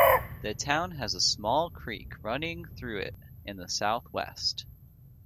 The town has a small creek running through it in the southwest.